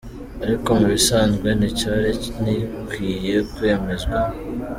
Ariko mu bisanzwe nticari gikwiye kwemezwa.